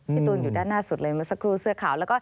พี่ตูนอยู่ด้านหน้าสุดเลยเมื่อสักครู่เสื้อขาว